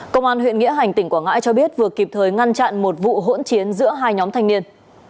công an huyện nghĩa hành tỉnh quảng ngãi cho biết vừa kịp thời ngăn chặn một vụ hỗn chiến giữa hai nhóm thanh niên